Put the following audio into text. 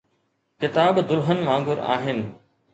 ڪتاب دلہن وانگر آهن.